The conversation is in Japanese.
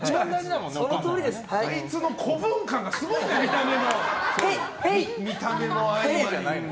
あいつの子分感がすごいな、見た目の。